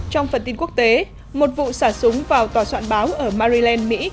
trong phần tin quốc tế một vụ xả súng vào tòa soạn báo ở maryland mỹ